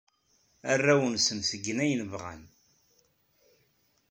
Arraw-nsen ttgen ayen ay bɣan.